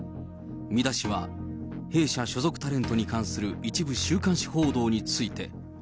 見出しは、弊社所属タレントに関する一部週刊誌報道について。